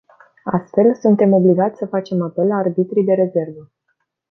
Astfel, suntem obligați să facem apel la arbitrii de rezervă.